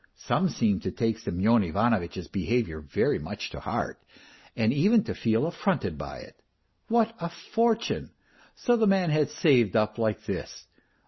Some seemed to take Semyon Ivanovitch's behaviour very much to heart, and even to feel affronted by it. What a fortune ! So the man had saved up like this